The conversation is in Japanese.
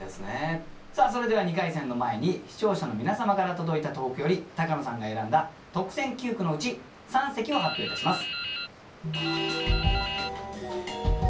さあそれでは２回戦の前に視聴者の皆様から届いた投句より高野さんが選んだ特選九句のうち三席を発表いたします。